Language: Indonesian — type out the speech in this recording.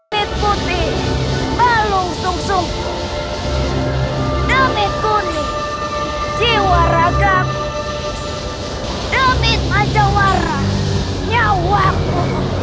hit putih balungsung sungku demi kuning jiwa ragam demi majawara nyawaku